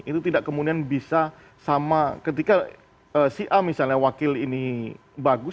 itu tidak kemudian bisa sama ketika si a misalnya wakil ini bagus